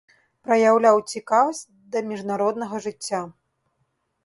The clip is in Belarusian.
Праяўляў цікавасць да міжнароднага жыцця.